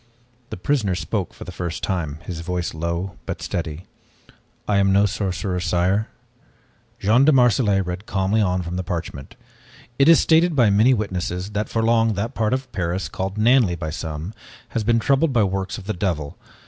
The prisoner spoke for the first time, his voice low but steady. "I am no sorcerer, sire." Jean de Marselait read calmly on from the parchment. "It is stated by many witnesses that for long that part of Paris, called Nanley by some, has been troubled by works of the devil.